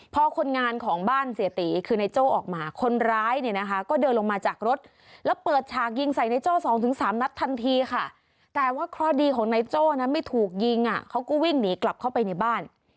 พอคนงานของบ้านเสียตีคือนายโจ้ออกมาคนร้ายเนี่ยนะคะก็เดินลงมาจากรถแล้วเปิดฉากยิงใส่ในโจ้สองถึงสามนัดทันทีค่ะแต่ว่าเคราะห์ดีของนายโจ้นะไม่ถูกยิงอ่ะเขาก็วิ่งหนีกลับเข้าไปในบ้าน